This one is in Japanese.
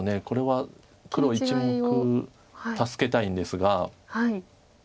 これは黒１目助けたいんですが。